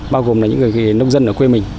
bao gồm là những người nông dân ở quê mình